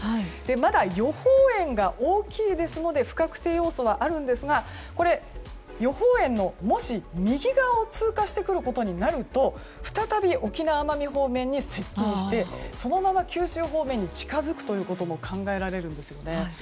まだ予報円が大きいですので不確定要素はあるんですが予報円の右側を通過してくることになると再び沖縄、奄美方面に接近してそのまま九州方面に近づくということも考えられるんですよね。